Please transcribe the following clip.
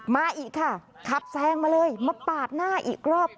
มาอีกค่ะขับแซงมาเลยมาปาดหน้าอีกรอบ